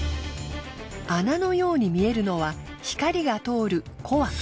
穴のように見えるのは光が通るコア。